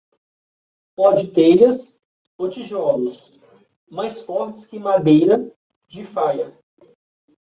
Pode telhas ou tijolos, mais fortes que madeira de faia.